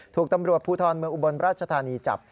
ถูกตำรวจภูทรเมืองอุบลราชธานีจับ